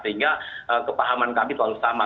sehingga kepahaman kami selalu sama